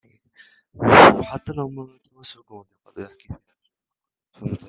Duvaucel meurt à Madras.